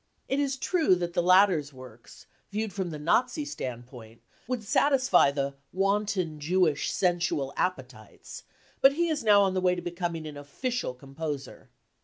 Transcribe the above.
It is true that the latter's works, viewed from the Nazi standpoint, would satisfy the " wanton Jewish sensual appetites 93 ; but he is now on the way to becoming an official composer.